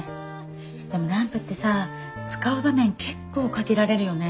でもランプってさ使う場面結構限られるよね。